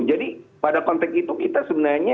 jadi pada konteks itu kita sebenarnya